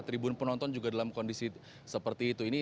tribun penonton juga dalam kondisi seperti itu ini